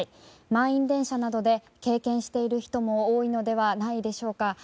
満員電車などで経験している人も多いのではないでしょうか。